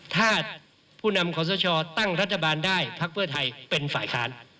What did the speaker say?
ถ้าผู้นำขอสชตั้งรัฐบาลได้พักเพื่อไทยเป็นฝ่ายค้าน